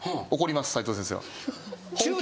斉藤先生は。